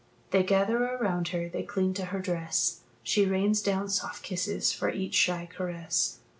They gather around her, they cling to her dress; She rains down soft kisses for each shy caress.